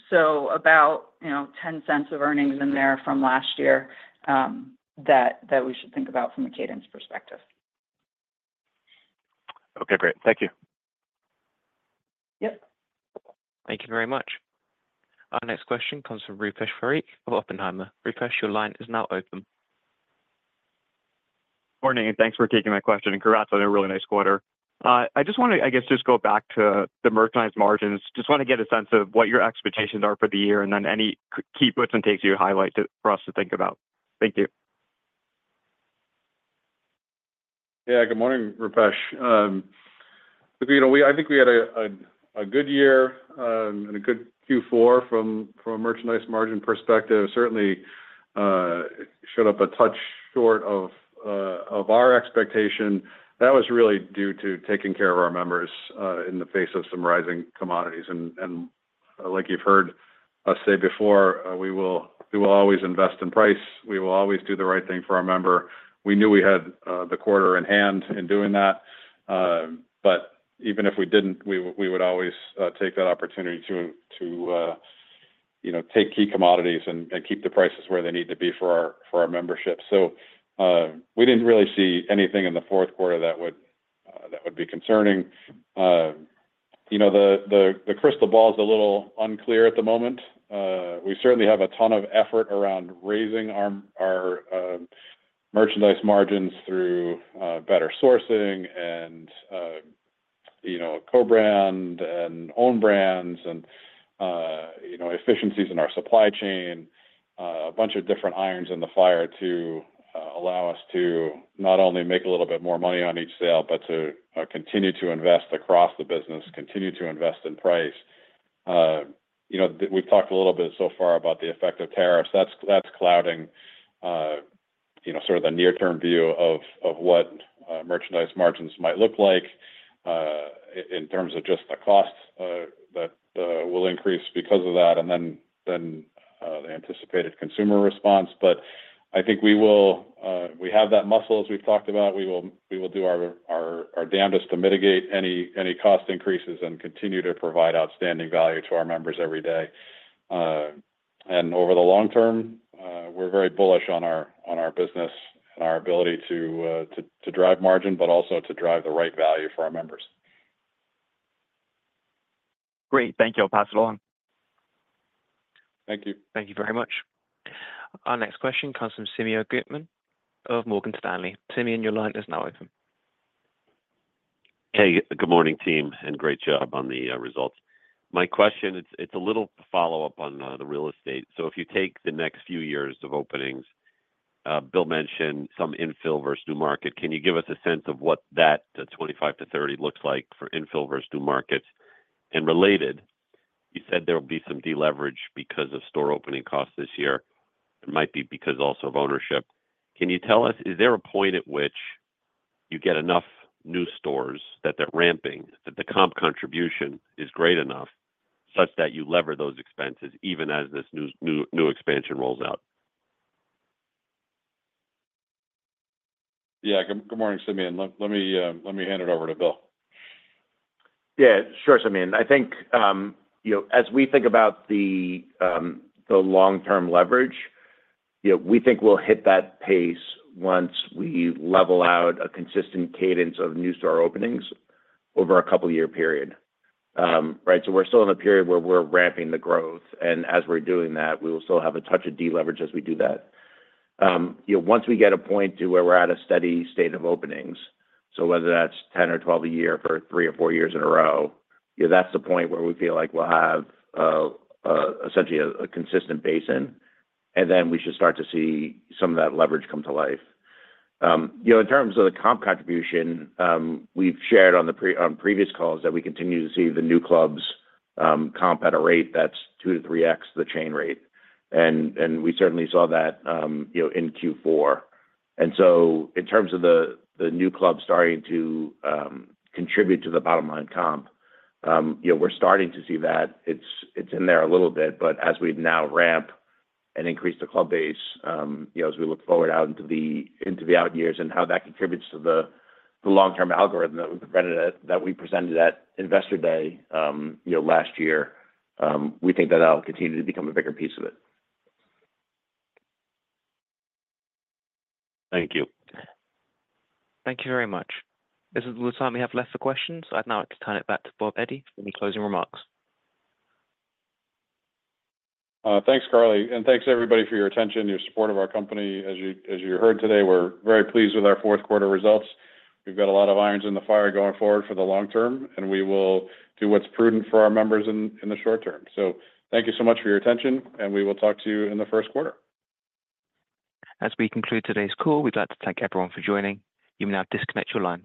So about, you know, $0.10 of earnings in there from last year that we should think about from a cadence perspective. Okay, great. Thank you. Yep. Thank you very much. Our next question comes from Rupesh Parikh of Oppenheimer. Rupesh, your line is now open. Morning and thanks for taking my question. Congrats on a really nice quarter. I just want to, I guess, just go back to the merchandise margins. Just want to get a sense of what your expectations are for the year and then any key points and takeaways to highlight for us to think about. Thank you. Yeah, good morning, Rupesh. Look, you know, I think we had a good year and a good Q4 from a merchandise margin perspective. Certainly showed up a touch short of our expectation. That was really due to taking care of our members in the face of some rising commodities, and like you've heard us say before, we will always invest in price. We will always do the right thing for our member. We knew we had the quarter in hand in doing that. But even if we didn't, we would always take that opportunity to, you know, take key commodities and keep the prices where they need to be for our membership. So we didn't really see anything in the Q4 that would be concerning. You know, the crystal ball is a little unclear at the moment. We certainly have a ton of effort around raising our merchandise margins through better sourcing and, you know, co-brand and own brands and, you know, efficiencies in our supply chain, a bunch of different irons in the fire to allow us to not only make a little bit more money on each sale, but to continue to invest across the business, continue to invest in price. You know, we've talked a little bit so far about the effect of tariffs. That’s clouding, you know, sort of the near-term view of what merchandise margins might look like in terms of just the cost that will increase because of that and then the anticipated consumer response. But I think we will, we have that muscle as we’ve talked about. We will do our damnedest to mitigate any cost increases and continue to provide outstanding value to our members every day. And over the long term, we’re very bullish on our business and our ability to drive margin, but also to drive the right value for our members. Great. Thank you. I’ll pass it along. Thank you. Thank you very much. Our next question comes from Simeon Gutman of Morgan Stanley. Simeon, your line is now open. Hey, good morning, team, and great job on the results. My question, it’s a little follow-up on the real estate. So if you take the next few years of openings, Bill mentioned some infill versus new market can you give us a sense of what that 25-30 looks like for infill versus new markets? And related, you said there will be some deleverage because of store opening costs this year. It might be because also of ownership. Can you tell us, is there a point at which you get enough new stores that they're ramping, that the comp contribution is great enough such that you lever those expenses even as this new expansion rolls out? Yeah, good morning, Simeon. Let me hand it over to Bill. Yeah, sure, Simeon. I think, you know, as we think about the long-term leverage, you know, we think we'll hit that pace once we level out a consistent cadence of new store openings over a couple-year period. Right? So we're still in a period where we're ramping the growth. And as we're doing that, we will still have a touch of deleverage as we do that. You know, once we get a point to where we're at a steady state of openings, so whether that's 10 or 12 a year for three or four years in a row, you know, that's the point where we feel like we'll have essentially a consistent basin. And then we should start to see some of that leverage come to life. You know, in terms of the comp contribution, we've shared on previous calls that we continue to see the new clubs comp at a rate that's two to three X the chain rate. And we certainly saw that, you know, in Q4. And so in terms of the new clubs starting to contribute to the bottom line comp, you know, we're starting to see that. It's in there a little bit, but as we now ramp and increase the club base, you know, as we look forward out into the out years and how that contributes to the long-term algorithm that we presented at Investor Day, you know, last year, we think that that'll continue to become a bigger piece of it. Thank you. Thank you very much. This is the time we have left for questions. I'd now like to turn it back to Bob Eddy for any closing remarks. Thanks, Carly. And thanks, everybody, for your attention, your support of our company. As you heard today, we're very pleased with our Q4 results. We've got a lot of irons in the fire going forward for the long term, and we will do what's prudent for our members in the short term. So thank you so much for your attention, and we will talk to you in the Q1. As we conclude today's call, we'd like to thank everyone for joining. You may now disconnect your lines.